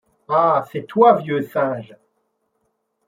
Ah ! c’est toi, vieux singe !